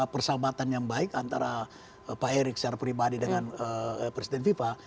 persahabatan yang baik antara pak erick secara pribadi dengan presiden fifa